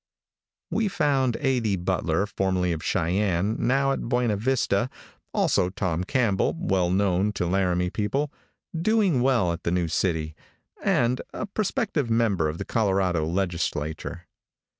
We found A. D. Butler, formerly of Cheyenne, now at Buena Vista, also Tom Campbell, well known to Laramie people, doing well at the new city, and a prospective member of the Colorado legislature.